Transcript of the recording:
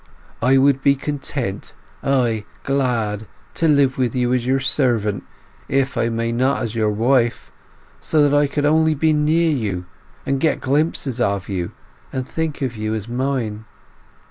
I would be content, ay, glad, to live with you as your servant, if I may not as your wife; so that I could only be near you, and get glimpses of you, and think of you as mine....